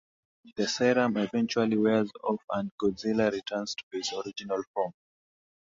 The serum eventually wears off, and Godzilla returns to his original form.